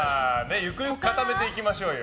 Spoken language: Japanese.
ゆくゆく固めていきましょう。